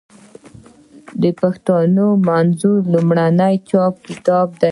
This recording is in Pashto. د پښتو منظم لومړنی چاپي کتاب دﺉ.